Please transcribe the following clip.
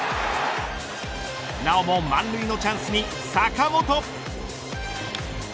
なおも満塁のチャンスに坂本。